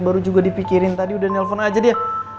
baru juga dipikirin tadi udah nelfon aja dia